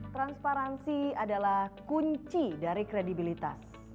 transparansi adalah kunci dari kredibilitas